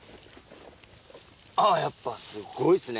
あっやっぱすごいですね。